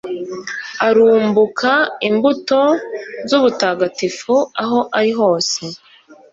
arumbuka imbuto z'ubutagatifu aho ari hose